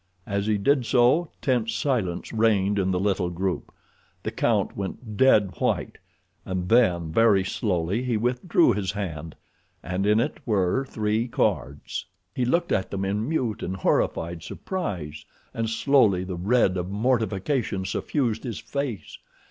As he did so tense silence reigned in the little group. The count went dead white, and then very slowly he withdrew his hand, and in it were three cards. He looked at them in mute and horrified surprise, and slowly the red of mortification suffused his face.